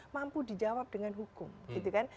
mampu dijawab dengan hukum gitu kan